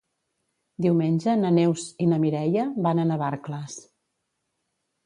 Diumenge na Neus i na Mireia van a Navarcles.